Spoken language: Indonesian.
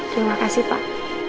terima kasih pak